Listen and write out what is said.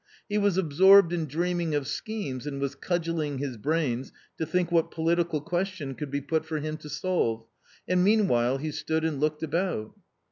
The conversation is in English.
He was absorbed in dreaming of schemes and was cudgelling his brains to think what political question would be put for him to solve, and meanwhile he stood and looked about.